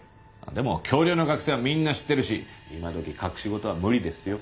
でも京陵の学生はみんな知ってるし今どき隠し事は無理ですよ。